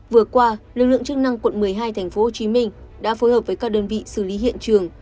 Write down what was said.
vừa qua lực lượng chức năng quận một mươi hai tp hcm đã phối hợp với các đơn vị xử lý hiện trường